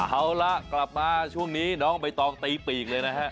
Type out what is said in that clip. เอาล่ะกลับมาช่วงนี้น้องใบตองตีปีกเลยนะฮะ